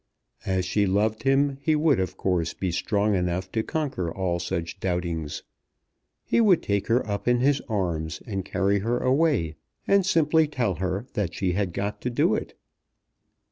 As she loved him he would of course be strong enough to conquer all such doubtings. He would take her up in his arms and carry her away, and simply tell her that she had got to do it.